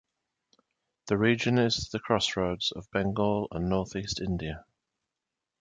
The region is the crossroads of Bengal and northeast India.